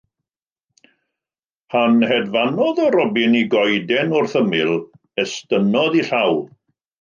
Pan hedfanodd y robin i goeden wrth ymyl estynnodd ei llaw.